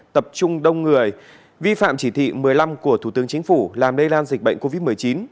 tập trung đông người vi phạm chỉ thị một mươi năm của thủ tướng chính phủ làm lây lan dịch bệnh covid một mươi chín